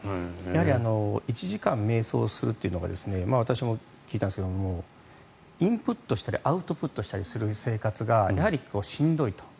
１時間めい想するというのが私も聞いたんですけどインプットしたりアウトプットしたりする生活がやはりしんどいと。